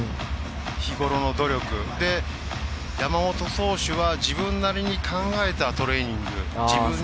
日頃の努力で、山本投手は自分なりに考えたトレーニング。